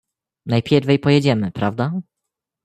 "Najpierwej pojedziemy, prawda?"